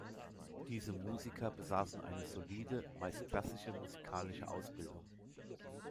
Diese Musiker besaßen eine solide, meist klassische musikalische Ausbildung.